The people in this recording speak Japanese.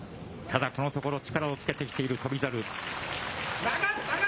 ただ、このところ力をつけてきている翔猿。